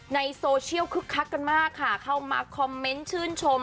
ในโซเชียลคึกคักกันมากค่ะเข้ามาคอมเมนต์ชื่นชม